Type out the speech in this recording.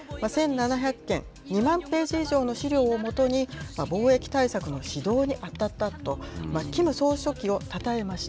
１７００件、２万ページ以上の資料を基に、防疫対策の指導に当たったと、キム総書記をたたえまし